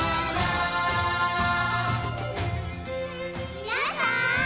みなさん！